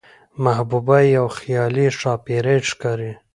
محبوبه يوه خيالي ښاپېرۍ ښکاري،